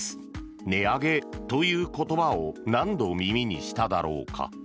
値上げという言葉を何度、耳にしただろうか。